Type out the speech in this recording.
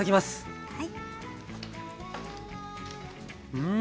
うん！